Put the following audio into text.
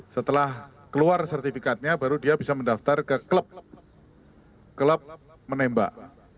setelah keluar sertifikatnya baru dia bisa mendaftar ke klub menembak